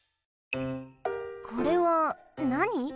これはなに？